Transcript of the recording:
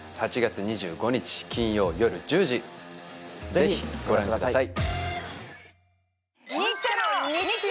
ぜひご覧ください。